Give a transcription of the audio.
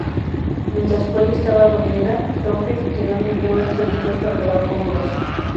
Mientras Polly está dormida, George, quien no murió, entra dispuesto a acabar con Rose.